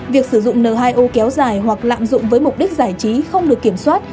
việc sử dụng n hai o kéo dài hoặc lạm dụng với mục đích giải trí không được kiểm soát